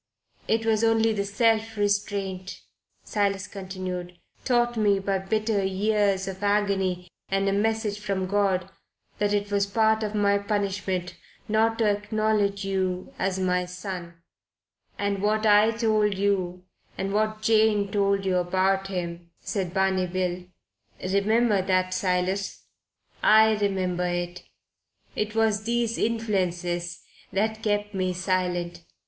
"It was only the self restraint," Silas continued, "taught me by bitter years of agony and a message from God that it was part of my punishment not to acknowledge you as my son " "And what I told you, and what Jane told you about him," said Barney Bill. "Remember that, Silas." "I remember it it was these influences that kept me silent.